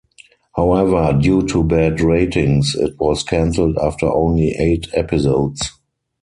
However, due to bad ratings, it was cancelled after only eight episodes.